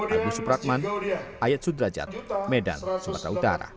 agus supratman ayat sudrajat medan sumatera utara